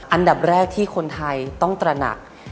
อันดับแรกที่คนไทยต้องตระหนัก